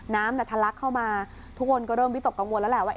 น้ำทะลักเข้ามาทุกคนก็เริ่มวิตกกังวลแล้วแหละว่า